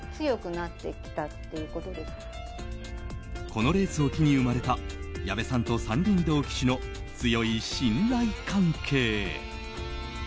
このレースを機に生まれた矢部さんと山林堂騎手の強い信頼関係。